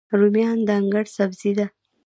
رومیان د انګړ سبزي ده